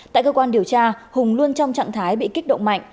tại cơ quan điều tra hùng luôn trong trạng thái bị kích động mạnh